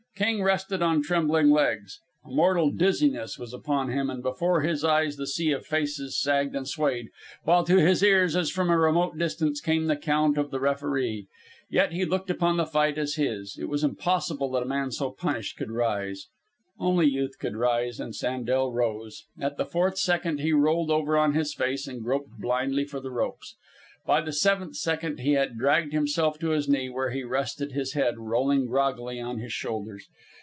King rested on trembling legs. A mortal dizziness was upon him, and before his eyes the sea of faces sagged and swayed, while to his ears, as from a remote distance, came the count of the referee. Yet he looked upon the fight as his. It was impossible that a man so punished could rise. Only Youth could rise, and Sandel rose. At the fourth second he rolled over on his face and groped blindly for the ropes. By the seventh second he had dragged himself to his knee, where he rested, his head rolling groggily on his shoulders.